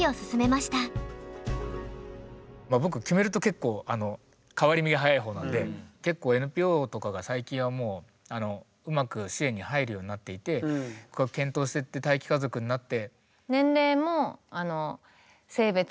まあ僕決めると結構変わり身が早い方なんで結構ＮＰＯとかが最近はもううまく支援に入るようになっていて検討してって待機家族になって。